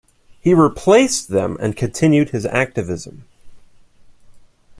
He replaced them and continued his activism.